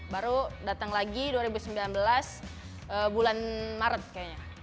baru datang lagi dua ribu sembilan belas bulan maret kayaknya